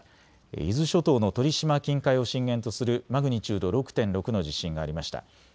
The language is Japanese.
伊豆諸島の鳥島近海を震源とするマグニチュード６．６の地震がありました。